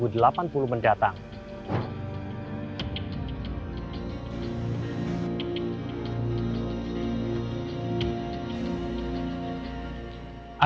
kepala pembangunan strategis nasional dua ribu dua puluh tiga